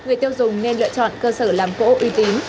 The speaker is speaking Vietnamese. người tiêu dùng nên lựa chọn cơ sở làm gỗ uy tín